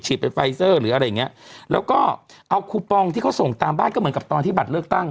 ไปไฟเซอร์หรืออะไรอย่างเงี้ยแล้วก็เอาคูปองที่เขาส่งตามบ้านก็เหมือนกับตอนที่บัตรเลือกตั้ง